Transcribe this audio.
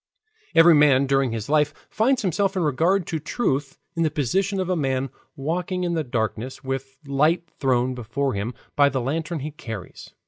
Every man during his life finds himself in regard to truth in the position of a man walking in the darkness with light thrown before him by the lantern he carries.